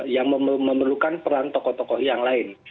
yang memerlukan peran tokoh tokoh yang lain